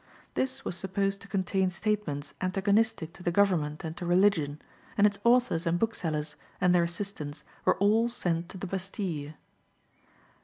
This was supposed to contain statements antagonistic to the Government and to Religion, and its authors and booksellers and their assistants were all sent to the Bastille.